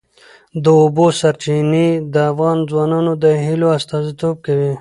د اوبو سرچینې د افغان ځوانانو د هیلو استازیتوب کوي.